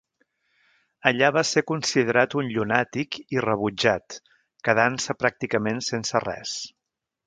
Allà va ser considerat un llunàtic i rebutjat, quedant-se pràcticament sense res.